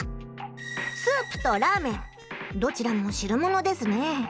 スープとラーメンどちらも汁ものですね。